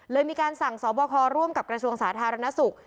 มีการสั่งสอบคอร่วมกับกระทรวงสาธารณสุข